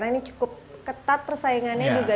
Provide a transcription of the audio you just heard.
ini cukup ketat persaingannya juga